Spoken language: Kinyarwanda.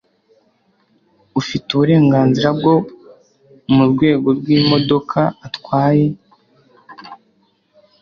ufite uburenganzira bwo mu rwego rw'imodoka atwaye